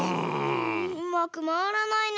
うまくまわらないね。